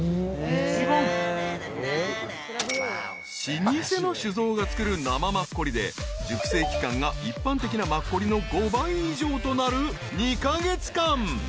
［老舗の酒造が造る生マッコリで熟成期間が一般的なマッコリの５倍以上となる２カ月間］